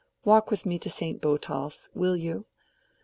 Walk with me to St. Botolph's, will you?"